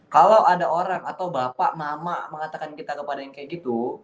kalau ada orang atau bapak mama mengatakan kita kepada yang kayak gitu